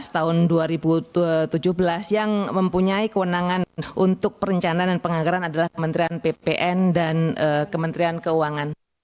tahun dua ribu tujuh belas yang mempunyai kewenangan untuk perencanaan dan penganggaran adalah kementerian ppn dan kementerian keuangan